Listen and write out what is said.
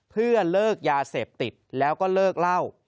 เพื่อเลิกยาเสพติดแล้วก็เลิกเล่า